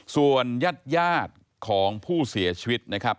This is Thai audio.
ส่วนญาติของผู้เสียชีวิตนะครับ